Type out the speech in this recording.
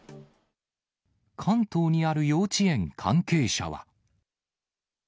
関東にある幼稚園関係者は。